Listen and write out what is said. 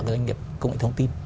doanh nghiệp công nghệ thông tin